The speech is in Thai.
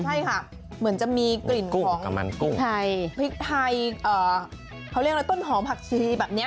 ใช่ค่ะเหมือนจะมีกลิ่นของมันกุ้งพริกไทยเขาเรียกอะไรต้นหอมผักชีแบบนี้